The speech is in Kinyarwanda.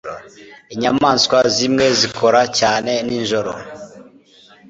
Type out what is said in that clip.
Inyamaswa zimwe zikora cyane nijoro.